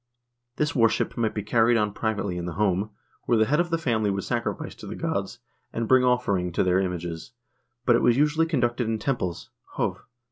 1 The worship might be carried on privately in the home, where the head of the family would sacrifice to the gods, and bring offer ings to their images, but it was usually conducted in temples, Iwv